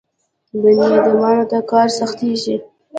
بني ادمانو ته کار سختېږي.